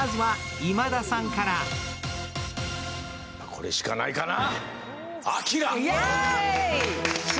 これしかないかな。